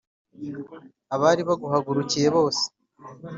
abari baguhagurukiye bose;